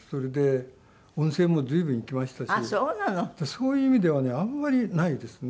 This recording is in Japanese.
そういう意味ではねあんまりないですね。